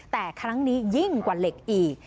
แต่ครั้งนี้ยิ่งกว่าเหล็กอีก